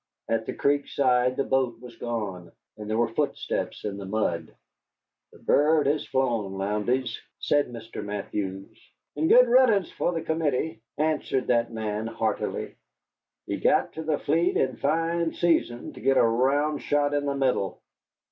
At the creek's side the boat was gone, and there were footsteps in the mud. "The bird has flown, Lowndes," said Mr. Mathews. "And good riddance for the Committee," answered that gentleman, heartily. "He got to the fleet in fine season to get a round shot in the middle.